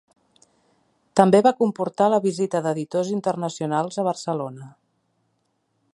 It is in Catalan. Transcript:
També va comportar la visita d'editors internacionals a Barcelona.